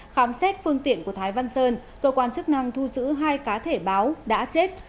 khám xét phương tiện của thái văn sơn cơ quan chức năng thu giữ hai cá thể báo đã chết